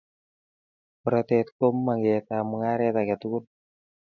Borotet ko magetab mung'aret age tugul